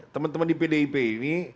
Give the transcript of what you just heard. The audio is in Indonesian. teman teman di pdip ini